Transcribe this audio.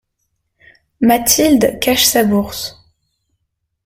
Mathilde cache sa bourse.